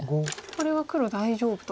これは黒大丈夫と。